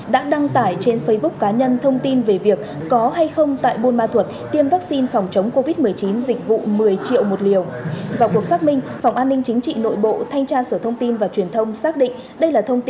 đã đăng tải trên facebook cá nhân thông tin về việc có hay không tại buôn ma thuật tiêm vaccine phòng chống covid một mươi chín